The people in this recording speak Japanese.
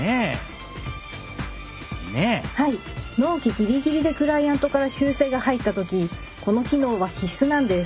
納期ギリギリでクライアントから修正が入った時この機能は必須なんです。